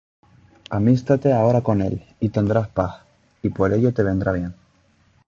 Amístate ahora con él, y tendrás paz; Y por ello te vendrá bien.